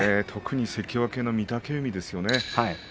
関脇の御嶽海ですよね。